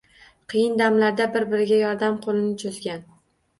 Qiyin damlarda bir-biriga yordam qo‘lini cho‘zgan